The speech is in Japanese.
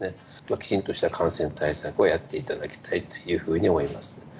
きちんとした感染対策をやっていただきたいというふうに思います。